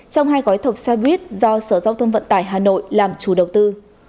trong hai gói thộc xe buýt do sở giao thông vận tải hà nội làm chủ đầu tư